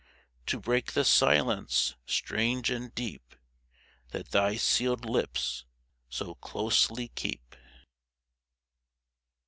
To break the silence strange and deep. That thy sealed lips so closely keep